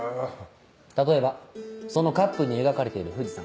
例えばそのカップに描かれている富士山。